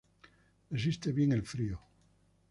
Resiste bien el frío.